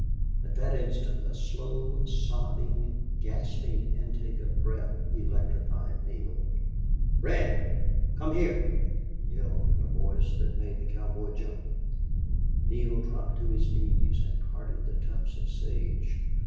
At that instant a slow, sobbing, gasping intake of breath electrified Neale. "Red come here!" he yelled, in a voice that made the cowboy jump. Neale dropped to his knees and parted the tufts of sage.